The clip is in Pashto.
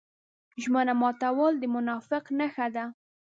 ژمنه ماتول د منافق نښه ده.